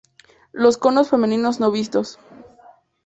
Los conos femeninos no vistos.